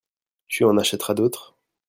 Tu en achèteras d'autres ?